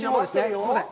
すみません。